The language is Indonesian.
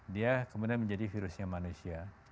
dia kemudian menjadi virusnya manusia